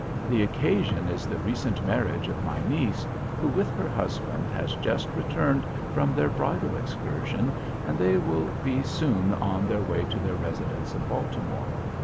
The occasion is the recent marriage of my niece, who with her husband has just returned from their bridal excursion, and they will be soon on their way to their residence in Baltimore.